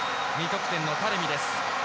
２得点のタレミです。